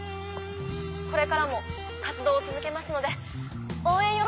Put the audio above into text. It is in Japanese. これからも活動を続けますので応援